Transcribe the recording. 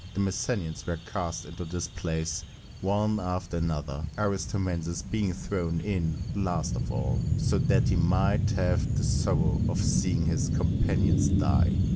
The Messenians were cast into this place one after another, Aristomenes being thrown in last of all, so that he might have the sorrow of seeing his companions die.